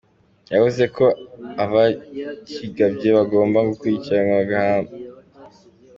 Yavuze ko abakigabye bagomba gukurikiranwa bagahanwa.